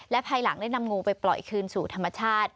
ภายหลังได้นำงูไปปล่อยคืนสู่ธรรมชาติ